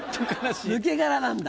抜け殻なんだ